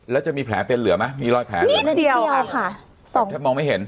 แล้วจะมีแผลเป็นเหลือไหมมีรอยแผลนิดเดียวค่ะสองแทบมองไม่เห็น